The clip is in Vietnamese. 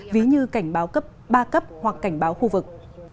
ví như cảnh báo cấp ba cấp hoặc cảnh báo khu vực